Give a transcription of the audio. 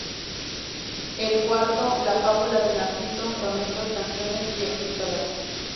El cuarto, la "Fábula de Narciso", sonetos, canciones y epístolas.